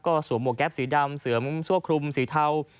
ก็สหมวกแก๊ปสีดำสั่วครุมสีเทา